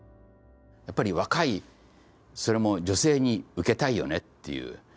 やっぱり若いそれも女性に受けたいよねっていう。